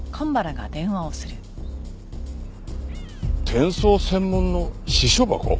転送専門の私書箱？